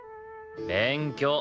勉強。